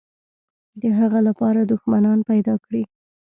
د هغه لپاره دښمنان پیدا کړي.